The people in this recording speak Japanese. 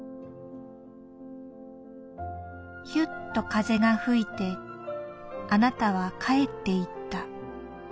「ひゅっと風が吹いてあなたは帰っていった。